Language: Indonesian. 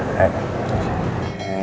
nggak ada udah udah